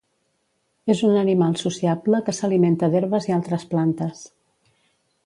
És un animal sociable que s'alimenta d'herbes i altres plantes.